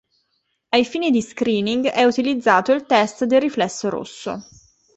Ai fini di "screening", è utilizzato il test del riflesso rosso.